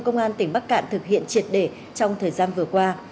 công an tỉnh bắc cạn thực hiện triệt để trong thời gian vừa qua